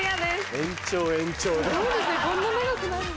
延長延長だ。